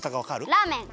ラーメン。